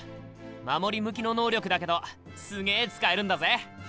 守り向きの能力だけどすげえ使えるんだぜ！